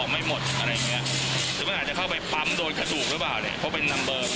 มันก็อาจจะไปค้างอยู่หรือมันก็ฝังอยู่